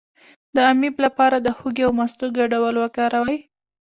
د امیب لپاره د هوږې او مستو ګډول وکاروئ